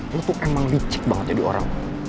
lo tuh emang licik banget ya diorang